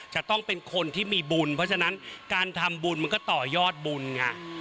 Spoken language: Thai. จะต้องเป็นคนที่มีบุญเพราะฉะนั้นการทำบุญมันก็ต่อยอดบุญไง